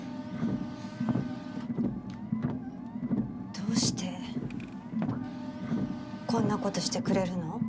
どうしてこんなことしてくれるの？